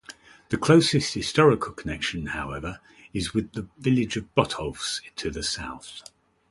The closest historical connection, however, is with the village of Botolphs to the south.